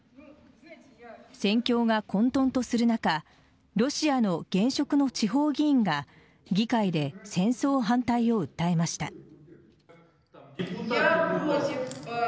戦況が混沌とする中ロシアの現職の地方議員が議会で戦争反対を訴えました。